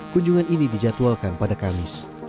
kunjungan ini dijadwalkan pada kamis